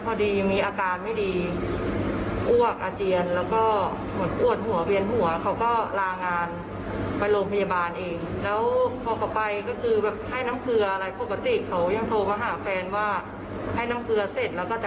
พอสักพักหนึ่งเหมือนให้น้องเกลือเสร็จ